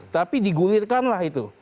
tapi digulirkanlah itu